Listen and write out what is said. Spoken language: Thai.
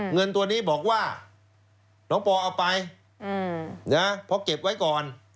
เงินตัวนี้บอกว่าน้องปอเอาไปเพราะเก็บไว้ก่อน